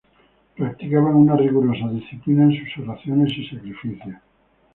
Practicaban una rigurosa disciplina en sus oraciones y sacrificios.